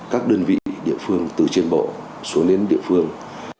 các đơn vị địa phương từ trên bộ xuống đến địa phương